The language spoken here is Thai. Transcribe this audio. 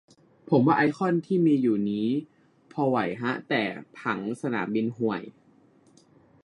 ผมว่าไอคอนที่มีอยู่นี่พอไหวฮะ แต่ผังสนามบินห่วย